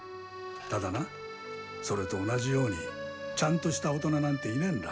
ただなそれと同じようにちゃんとした大人なんていねんら。